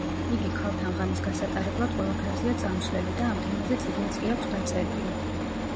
იგი ქალთან ღამის გასატარებლად ყველაფერზეა წამსვლელი და ამ თემაზე წიგნიც კი აქვს დაწერილი.